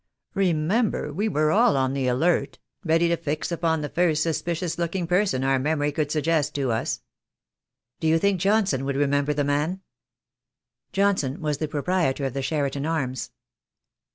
Remember, we were all on the alert, ready to fix upon the first suspicious looking person our memory could suggest to us." "Do you think Johnson would remember the man?" Johnson was the proprietor of the Cheriton Arms.